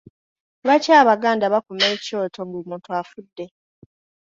Lwaki Abaganda bakuma ekyoto ng’omuntu afudde?